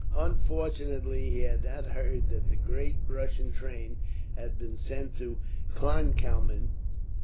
Unfortunately, he had not heard that the great Russian train had been sent to Kleinkalmin.